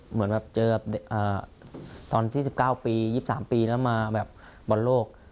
เหมือนแบบเจอตอนที่๑๙ปี๒๓ปีแล้วมาแบบบอลโลก